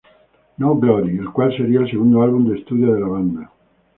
No Glory., el cual sería el segundo álbum de estudio de la banda.